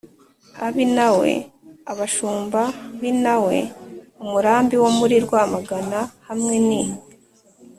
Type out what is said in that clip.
ab’i nawe: abashumba b’i nawe (umurambi wo muri rwamagana, hamwe n’i